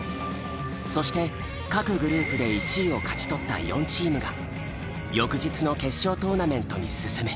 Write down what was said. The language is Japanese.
そして各グループで１位を勝ち取った４チームが翌日の決勝トーナメントに進む。